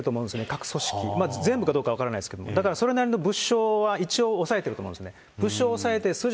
各組織、全部かどうか分からないですけれども、だからそれなりの物証は、一応抑えてると思うんですね。